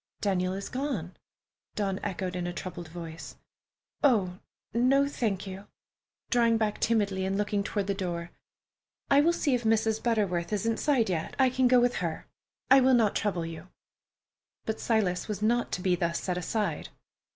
"Daniel is gone!" Dawn echoed in a troubled voice. "Oh, no, thank you"—drawing back timidly and looking toward the door. "I will see if Mrs. Butterworth is inside yet. I can go with her. I will not trouble you." But Silas was not to be thus set aside.